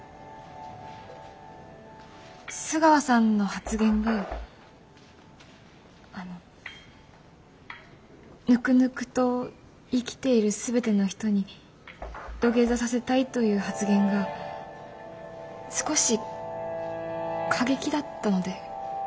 須川さんの発言にあのぬくぬくと生きている全ての人に土下座させたいという発言が少し過激だったので。